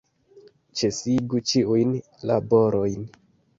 Ĉesigu ĉiujn laborojn!